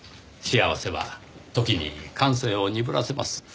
幸せは時に感性を鈍らせます。